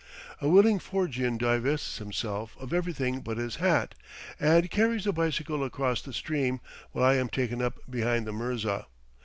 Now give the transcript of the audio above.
A willing Foorgian divests himself of everything but his hat, and carries the bicycle across the stream, while I am taken up behind the mirza.